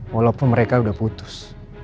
walaupun mereka udah putus